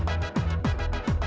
ya ini salah aku